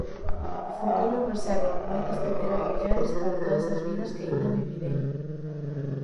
O futuro resérvame moitas pequenas mulleres para todas as vidas que aínda vivirei.